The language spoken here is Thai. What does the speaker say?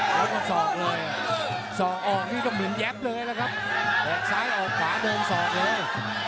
แล้วก็สอกเลยสอกออกนี่ต้องเหมือนแยบเลยนะครับออกซ้ายออกขวาเดินศอกเลย